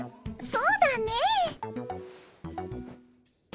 そうだね。